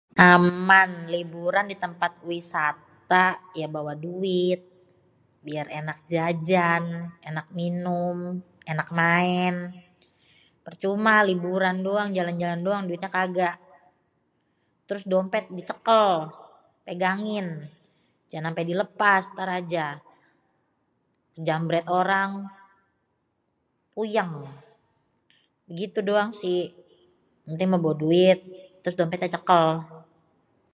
Aman liburan di tempat wisata ya bawa duit, biar enak jajan, enak minum, enak maén, percuma liburan doang jalan-jalan doang duitnya kaga, terus dompet di cekel, pegangin, jangan ampe dilepas entar aja, di jambret orang, puyéng, gitu doang si yang penting meh bawa duit terus dompetnya cekel.